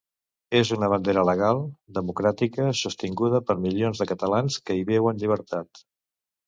És una bandera legal, democràtica, sostinguda per milions de catalans que hi veuen llibertat.